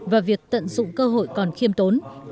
và việc tận dụng cơ hội còn khiêm tốn